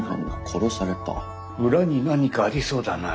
裏に何かありそうだな。